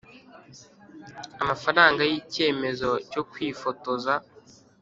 Amafaranga y icyemezo cyo kwifotoza